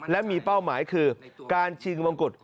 และมีเป้าหมายคือการชิงมงกุฎ